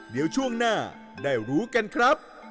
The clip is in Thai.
เดี๋ยวช่วงหน้าได้รู้กันครับ